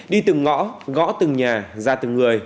đi từng ngõ gõ từng nhà ra từng người